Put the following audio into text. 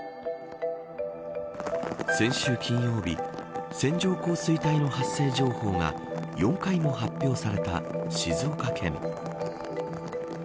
先週金曜日線状降水帯の発生情報が４回も発表された静岡県。